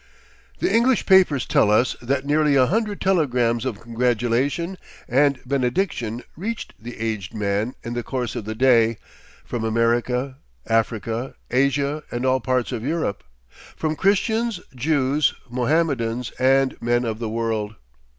The English papers tell us that nearly a hundred telegrams of congratulation and benediction reached the aged man in the course of the day, from America, Africa, Asia, and all parts of Europe, from Christians, Jews, Mahomedans, and men of the world.